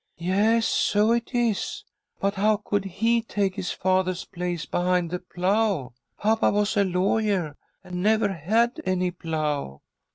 "Yes, so it is! But how could he take his father's place behind the plough? Papa was a lawyer, and never had any plough."